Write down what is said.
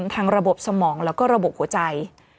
ทางระบบสมองแล้วก็ระบบหัวใจ